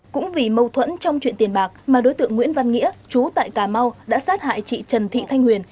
cũng vì mâu thuẫn trong chuyện tiền bạc mà đối tượng nguyễn văn nghĩa chú tại cà mau đã sát hại chị trần thị thanh huyền